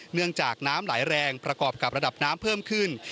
เนื่องจากน้ำไหลแรงประกอบกับระดับน้ำเพิ่มขึ้น